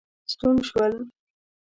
ستون شول.